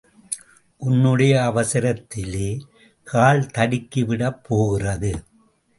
உன்னுடைய அவசரத்திலே கால் தடுக்கிவிடப் போகிறது.